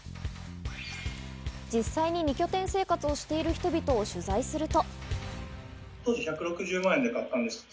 実際に二拠点生活をしている人々を取材すると。